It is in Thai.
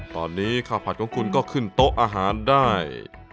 ตอนนี้ข้าวผัดของคุณก็ขึ้นโต๊ะอาหารได้